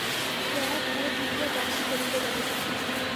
জয়া ঘরে ঢুকিয়া বন্ধ করিল দরজা।